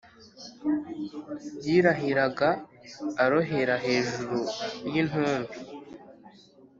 yirahiraga arohera hejuru y'intumbi